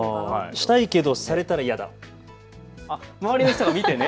したいけどされたら嫌だ。